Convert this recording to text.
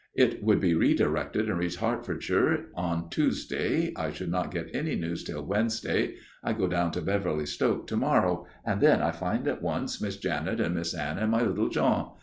It would be redirected and reach Hertfordshire on Tuesday. I should not get any news till Wednesday. I go down to Beverly Stoke to morrow, and then I find at once Miss Janet and Miss Anne and my little Jean!